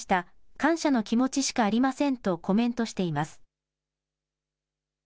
感謝の気持ちしかありませんとコメントしています。